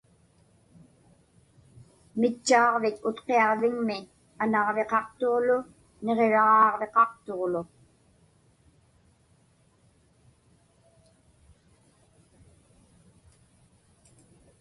Mitchaaġvik Utqiaġviŋmi anaġviqaqtuġlu niġiraġaaġviqaqtuġlu.